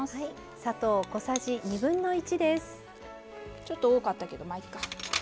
ちょっと多かったけどまあいいか。